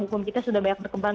hukum kita sudah banyak berkembang